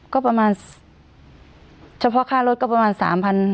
ก็ประมาณเฉพาะค่ารถก็ประมาณ๓๐๐บาท